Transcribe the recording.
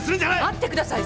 待ってください